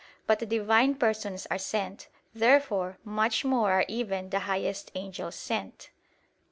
But the Divine Persons are sent. Therefore much more are even the highest angels sent.